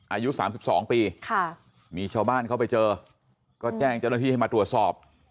อายุ๓๒ปีมีชาวบ้านเข้าไปเจอก็แจ้งเจ้าหน้าที่ให้มาตรวจสอบ